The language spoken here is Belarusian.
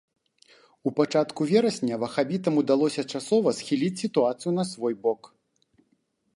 У пачатку верасня вахабітам удалося часова схіліць сітуацыю на свой бок.